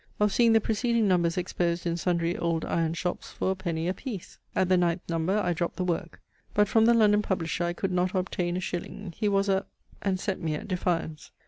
of seeing the preceding numbers exposed in sundry old iron shops for a penny a piece. At the ninth number I dropt the work. But from the London publisher I could not obtain a shilling; he was a and set me at defiance.